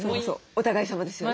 お互いさまですよね。